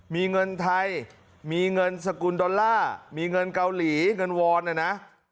มีเงินไทยมีเงินสกุลดอลลาร์มีเงินเกาหลีเงินวอนนะนะ